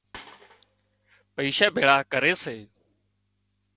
پئيشا ڀيۯا ڪري سي